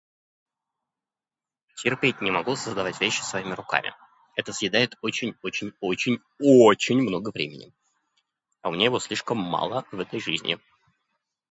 Терпеть не могу создавать вещи своими руками. Это съедает очень-очень-очень-очень много времени, а у меня его слишком мало в этой жизни.